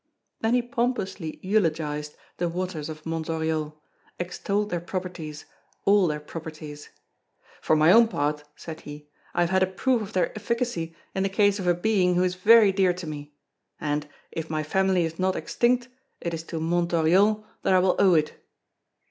Then he pompously eulogized the waters of Mont Oriol, extolled their properties, all their properties: "For my own part," said he; "I have had a proof of their efficacy in the case of a being who is very dear to me; and, if my family is not extinct, it is to Mont Oriol that I will owe it."